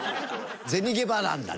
銭ゲバなんだね。